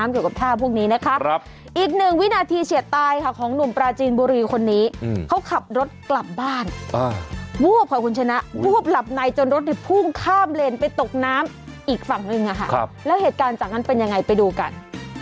ขอขอบคุณชนะภูมิหลับในจนรถได้พุ่งข้ามเลนไปตกน้ำอีกฝั่งหนึ่งอะค่ะครับแล้วเหตุการณ์จากนั้นเป็นยังไงไปดูกัน